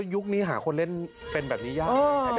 ยุคนี้หาคนเล่นเป็นแบบนี้ยาก